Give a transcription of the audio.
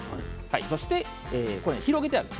そして広げてあります。